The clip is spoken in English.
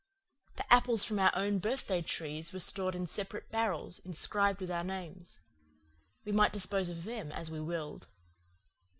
The apples from our own birthday trees were stored in separate barrels inscribed with our names. We might dispose of them as we willed.